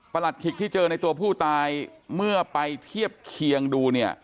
หลัดขิกที่เจอในตัวผู้ตายเมื่อไปเทียบเคียงดูเนี่ย